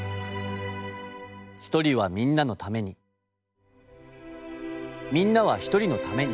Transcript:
「一人はみんなのためにみんなは一人のために」。